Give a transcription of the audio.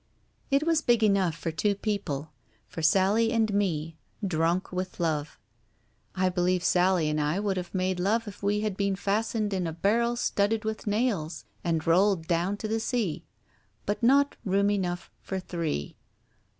It was big enough for two people, for Sally and me, drunk with love. I believe Sally and I would have made love if we had been fastened in a barrel studded with nails, and rolled down to the sea. But not room enough for three.